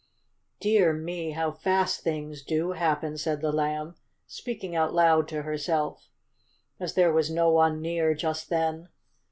"Dear me! how fast things do happen," said the Lamb, speaking out loud to herself, as there was no one near just then.